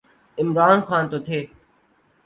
عمران خان تو تھے۔